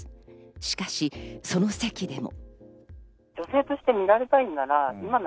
しかし、その席でも。